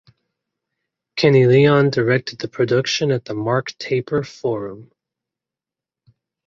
Kenny Leon directed the production at the Mark Taper Forum.